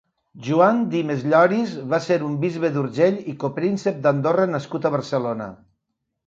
Joan Dimes Lloris va ser un bisbe d'Urgell i copríncep d'Andorra nascut a Barcelona.